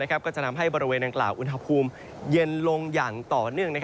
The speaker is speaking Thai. ก็จะทำให้บริเวณดังกล่าวอุณหภูมิเย็นลงอย่างต่อเนื่อง